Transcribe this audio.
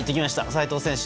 齋藤選手